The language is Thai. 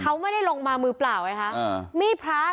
เขาไม่ได้ลงมามือเปล่าไงคะ